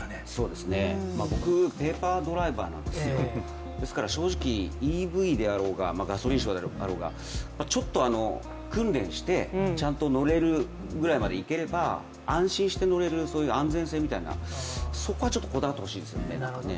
僕、ペーパードライバーなんですけど正直、ＥＶであろうがガソリン車であろうが、ちょっと訓練して、ちゃんと乗れるぐらいまでいければ安心して乗れる、安全性みたいなそこはこだわってほしいですよね。